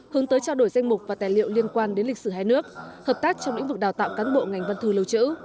hướng tới trao đổi danh mục và tài liệu liên quan đến lịch sử hai nước hợp tác trong lĩnh vực đào tạo cán bộ ngành văn thư lưu trữ